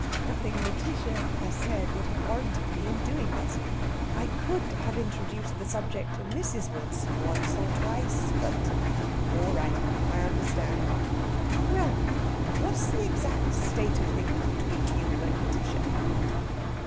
"Nothing Lætitia has said would have warranted me in doing this. I could have introduced the subject to Mrs. Wilson once or twice, but...." "All right. I understand. Well, now, what's the exact state of things between you and Lætitia?"